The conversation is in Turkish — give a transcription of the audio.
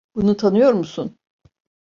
Bunu tanıyor musun?